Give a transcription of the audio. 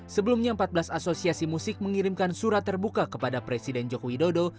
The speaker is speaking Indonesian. sebelumnya empat belas asosiasi musik mengirimkan surat terbuka kepada presiden joko widodo